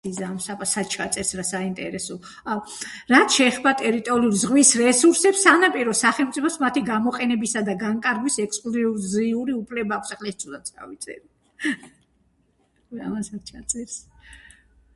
რაც შეეხება ტერიტორიული ზღვის რესურსებს, სანაპირო სახელმწიფოს მათი გამოყენებისა და განკარგვის ექსკლუზიური უფლება აქვს.